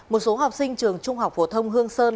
một số học sinh trường trung học phổ thông hương sơn